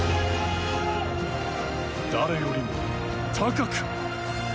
誰よりも、高く。